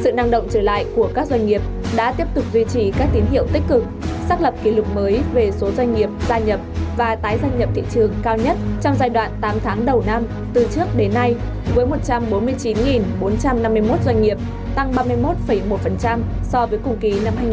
sự năng động trở lại của các doanh nghiệp đã tiếp tục duy trì các tín hiệu tích cực xác lập kỷ lục mới về số doanh nghiệp gia nhập và tái gia nhập thị trường cao nhất trong giai đoạn tám tháng đầu năm từ trước đến nay với một trăm bốn mươi chín bốn trăm năm mươi một doanh nghiệp tăng ba mươi một một so với cùng kỳ năm hai nghìn một mươi chín